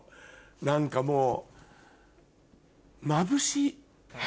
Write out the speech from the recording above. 何かもうまぶしい。